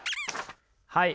はい。